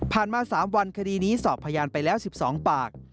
มา๓วันคดีนี้สอบพยานไปแล้ว๑๒ปาก